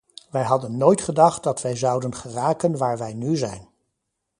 Wij hadden nooit gedacht dat wij zouden geraken waar wij nu zijn.